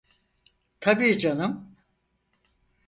Tabii canım.